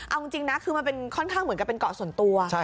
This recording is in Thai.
เอาจริงนะคือมันเป็นค่อนข้างเหมือนกับเป็นเกาะส่วนตัว